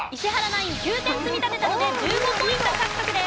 ナイン９点積み立てたので１５ポイント獲得です。